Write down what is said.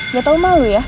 gak tau malu ya